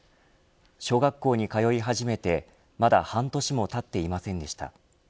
小学校に通い始めてまだ半年も経っていませんでした。